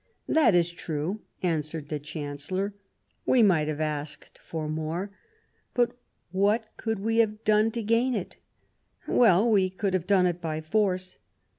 " That is true," answered the Chancellor. " We might have asked for more, but what should we have done to gain them ?"" Well, we could have done if by force."